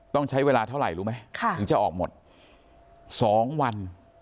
ต้องใช้เวลาเท่าไหร่รู้ไหมถึงจะออกหมด๒วัน